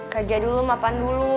kerja dulu mapan dulu